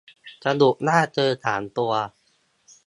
สรุปว่าเจอ สาม ตัว